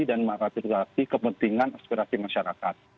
dan mengatasi kepentingan aspirasi masyarakat